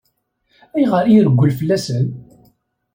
Ayɣer i ireggel fell-asen?